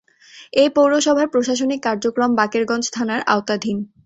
এ পৌরসভার প্রশাসনিক কার্যক্রম বাকেরগঞ্জ থানার আওতাধীন।